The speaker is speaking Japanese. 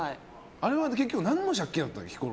あれは結局、何の借金だったの？